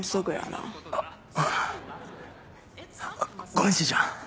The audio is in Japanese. ごめんしずちゃん。